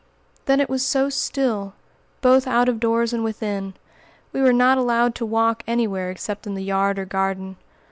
Then it was so still, both out of doors and within! We were not allowed to walk anywhere except in the yard or garden.